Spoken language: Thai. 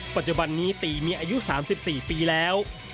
ปัจจุบันนี้ตีมีอายุ๓๔ปีแล้ว